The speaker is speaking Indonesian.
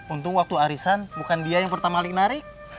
untung waktu arisan bukan dia yang pertama kali narik